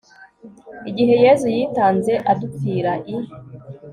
igihe yezu yitanze, adupfira i